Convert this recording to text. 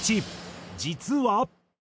実は。